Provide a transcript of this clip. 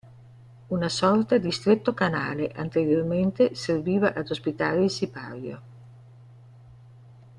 Una sorta di stretto canale anteriormente serviva ad ospitare il sipario.